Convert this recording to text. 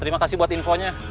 terima kasih buat infonya